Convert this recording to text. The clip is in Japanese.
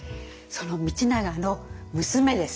その道長の娘です。